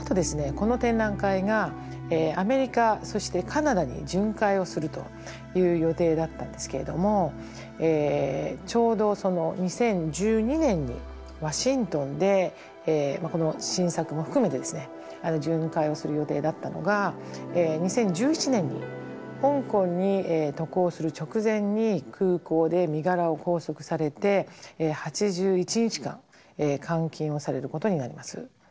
この展覧会がアメリカそしてカナダに巡回をするという予定だったんですけれどもちょうどその２０１２年にワシントンでこの新作も含めてですね巡回をする予定だったのが２０１１年に香港に渡航する直前に空港で身柄を拘束されて８１日間監禁をされることになります。